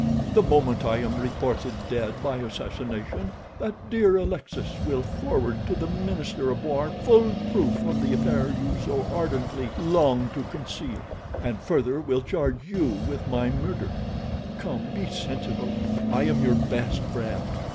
"The moment I am reported dead by assassination that dear Alexis will forward to the minister of war full proof of the affair you so ardently long to conceal; and, further, will charge you with my murder. Come, be sensible. I am your best friend.